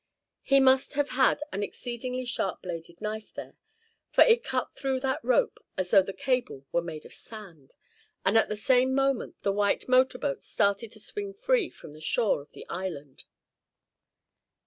He must have had an exceedingly sharp bladed knife there, for it cut through that rope as though the cable were made of sand. And at the same moment the white motor boat started to swing free from the shore of the island.